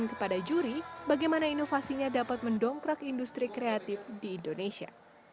dan kepada juri bagaimana inovasinya dapat mendongkrak industri kreatif di indonesia